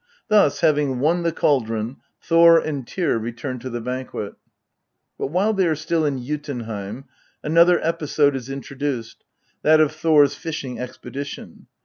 Thus, having won the cauldron, Thor and Tyr return to the banquet. But while they are still in Jotunheim another episode is introduced that of Thor's fishing expedition.